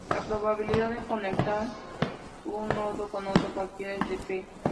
La probabilidad de conectar un nodo con otro cualquiera es de "p".